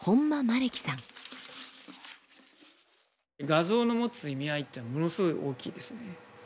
画像の持つ意味合いっていうのはものすごい大きいですね。